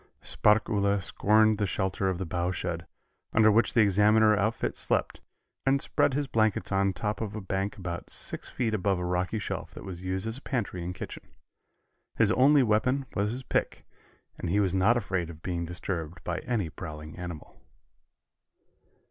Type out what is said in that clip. Sparkuhle scorned the shelter of the bough shed, under which the Examiner outfit slept, and spread his blankets on top of a bank about six feet above a rocky shelf that was used as a pantry and kitchen. His only weapon was his pick, and he was not afraid of being disturbed by any prowling animal.